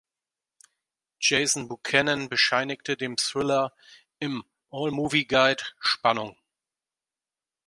Jason Buchanan bescheinigte dem Thriller im "All Movie Guide" Spannung.